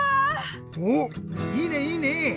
おっいいねいいね！